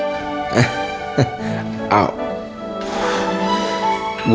gue pingsan berapa berapa biar lo gendong tadi